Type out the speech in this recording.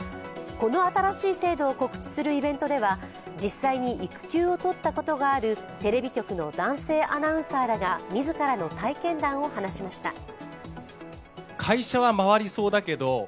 この新しい制度を告知するイベントでは実際に育休を取ったことがあるテレビ局の男性アナウンサーらが自らの体験談を話しました。